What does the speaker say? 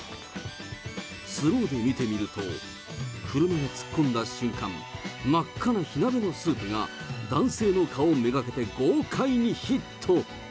スローで見てみると、車が突っ込んだ瞬間、真っ赤な火鍋のスープが男性の顔めがけて豪快にヒット。